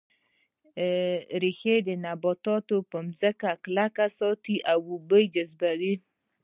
ریښې نبات په ځمکه کې کلک ساتي او اوبه جذبوي